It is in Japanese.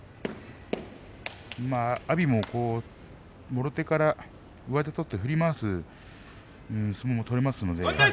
阿炎も、もろ手から上手を取って振り回す相撲が取れます。